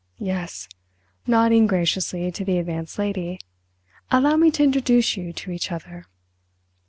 Yes," nodding graciously to the Advanced Lady. "Allow me to introduce you to each other."